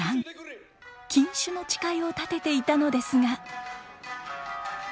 禁酒の誓いを立てていたのですが。